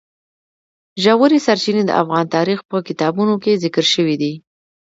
ژورې سرچینې د افغان تاریخ په کتابونو کې ذکر شوی دي.